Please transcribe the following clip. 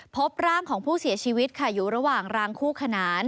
พบร่างของผู้เสียชีวิตค่ะอยู่ระหว่างรางคู่ขนาน